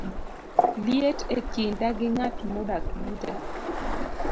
liet e kinda gi ng'at modak buta